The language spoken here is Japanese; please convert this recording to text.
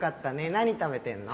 何食べてるの？